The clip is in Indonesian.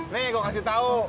nih gue kasih tau